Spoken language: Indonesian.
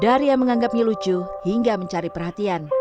dari yang menganggapnya lucu hingga mencari perhatian